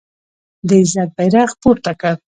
د عزت بیرغ پورته کړ